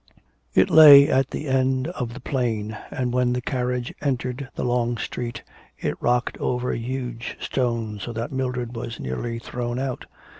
It lay at the end of the plain, and when the carriage entered the long street, it rocked over huge stones so that Mildred was nearly thrown out.